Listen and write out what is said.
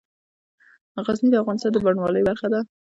غزني د افغانستان د بڼوالۍ برخه ده.